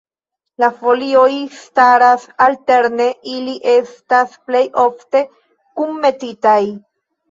La folioj staras alterne, ili estas plej ofte kunmetitaj.